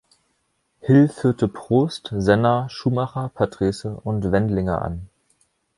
Hill führte Prost, Senna, Schumacher, Patrese und Wendlinger an.